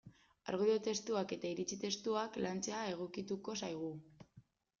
Argudio testuak eta iritzi testuak lantzea egokituko zaigu.